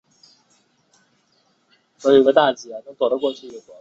出生于罗德岛州普罗维登斯。